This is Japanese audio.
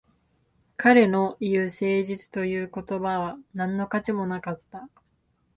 彼の言う誠実という言葉は何の価値もなかった